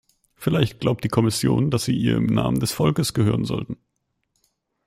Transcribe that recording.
Vielleicht glaubt die Kommission, dass sie ihr im Namen des Volkes gehören sollten.